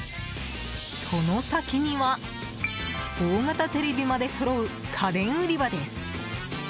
その先には大型テレビまでそろう家電売り場です。